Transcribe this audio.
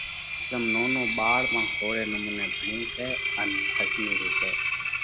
زم نونو ٻاۯ پڻ ۿورئہ نمُونئہ ڀڻي هيڪئہ ان ۿزمي هيڪئہ۔